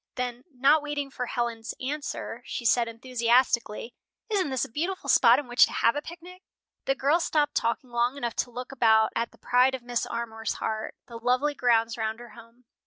Then, not waiting for Helen's answer, she said, enthusiastically, "Isn't this a beautiful spot in which to have a picnic?" The girls stopped talking long enough to look about at the pride of Mrs. Armour's heart, the lovely grounds round her home.